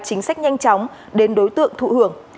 chính sách nhanh chóng đến đối tượng thụ hưởng